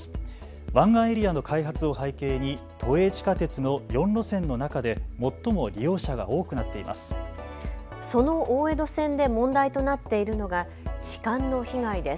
湾岸エリアの開発を背景に都営地下鉄の４路線の中で最も利用者が多くなっています。